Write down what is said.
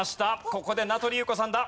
ここで名取裕子さんだ。